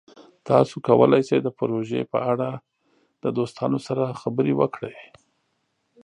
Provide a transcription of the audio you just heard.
تاسو کولی شئ د پروژې په اړه د دوستانو سره خبرې وکړئ.